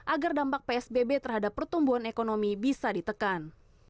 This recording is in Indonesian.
agar dampak psbb terhadap pertumbuhan ekonomi bisa ditekan